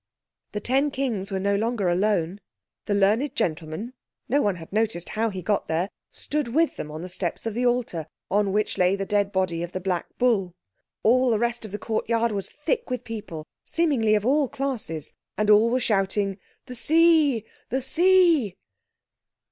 The ten Kings were no longer alone. The learned gentleman—no one had noticed how he got there—stood with them on the steps of an altar, on which lay the dead body of the black bull. All the rest of the courtyard was thick with people, seemingly of all classes, and all were shouting, "The sea—the sea!"